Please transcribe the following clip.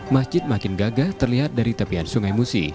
masjid makin gagah terlihat dari tepian sungai musi